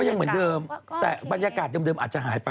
ยังเหมือนเดิมแต่บรรยากาศเดิมอาจจะหายไป